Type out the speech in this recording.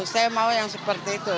saya mau yang seperti itu